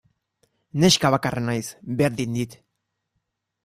Neska bakarra naiz, berdin dit.